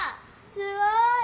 すごい！